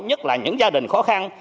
nhất là những gia đình khó khăn